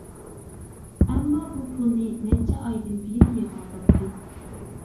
ئەمما بۇ پۇلنى نەچچە ئايدىن بېرى يىغىۋاتاتتى.